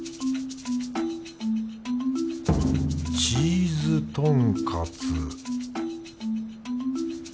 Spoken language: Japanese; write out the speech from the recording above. チーズとんかつ